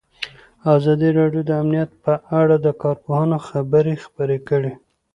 ازادي راډیو د امنیت په اړه د کارپوهانو خبرې خپرې کړي.